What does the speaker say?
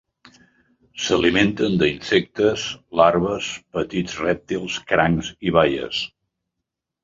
S'alimenten d'insectes, larves, petits rèptils, crancs i baies.